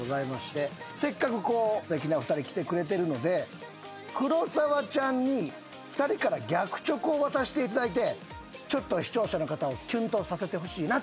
せっかくすてきな２人来てくれているので黒沢ちゃんに２人から逆チョコを渡していただいてちょっと視聴者の方をキュンとさせてほしいなと。